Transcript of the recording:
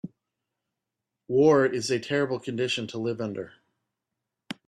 War is a terrible condition to live under.